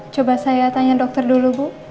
coba saya tanya dokter dulu bu